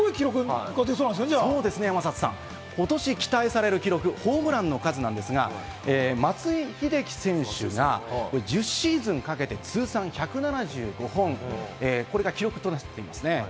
今年期待される記録、ホームランの数なんですが、松井秀喜選手が１０シーズンかけて通算１７５本、これが記録となっています。